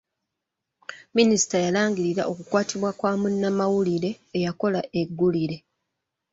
Minisita yalagira okukwatibwa kwa munnamawulire eyakola eggulire.